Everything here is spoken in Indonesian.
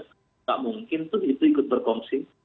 tidak mungkin pun itu ikut berkongsi